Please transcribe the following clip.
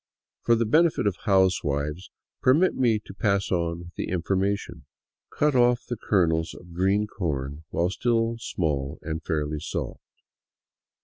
For the benefit of housewives permit me to pass on the information: Cut off the kernels of green corn while still small and fairly soft.